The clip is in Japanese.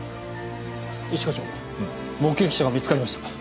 一課長目撃者が見つかりました。